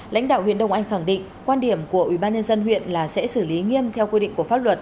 lãnh đạo huyện đông anh khẳng định quan điểm của ubnd huyện là sẽ xử lý nghiêm theo quy định của pháp luật